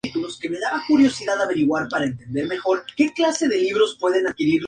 Aunque es una variedad de "Vitis vinifera", es de calidad "muy modesta".